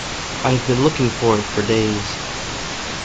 I've been looking for it for days.